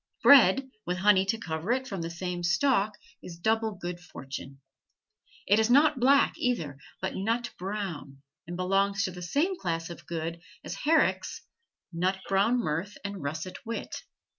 Bread with honey to cover it from the same stalk is double good fortune. It is not black, either, but nut brown, and belongs to the same class of goods as Herrick's "Nut brown mirth and russet wit."